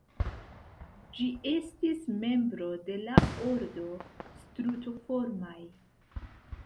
Ĝi estis membro de la ordo Strutoformaj.